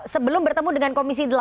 sebelum bertemu dengan komisi delapan